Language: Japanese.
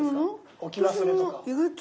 置き忘れとか。